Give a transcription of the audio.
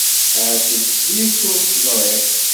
Ahat telt-snin sur t-ẓriɣ.